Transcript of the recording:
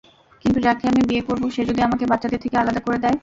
কিন্তু যাকে আমি বিয়ে করব সে যদি আমাকে বাচ্চাদের থেকে আলাদা করে দেয়।